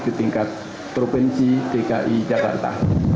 di tingkat provinsi dki jakarta